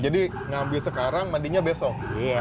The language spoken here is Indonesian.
jadi ngambil sekarang mandinya besok